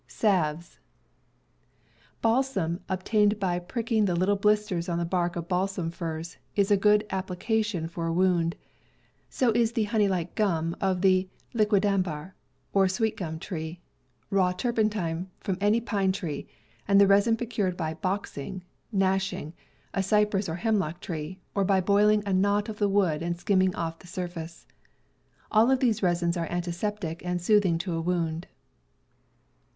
Balsam obtained by pricking the little blisters on the bark of balsam firs is a good application for a „, wound; so is the honey like gum of the Salves. ,..,,/^^ hquidambar or sweet gum tree, raw turpentine from any pine tree, and the resin procured by "boxing" (gashing) a cypress or hemlock tree, or by boiling a knot of the wood and skimming off the surface. All of these resins are antiseptic and sooth ing to a wound.